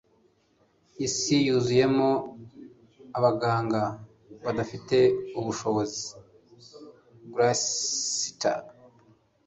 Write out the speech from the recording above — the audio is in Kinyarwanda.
Isi yuzuyemo abaganga badafite ubushobozi (Grayster)